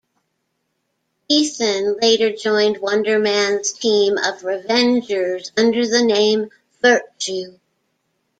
Ethan later joined Wonder Man's team of Revengers under the name Virtue.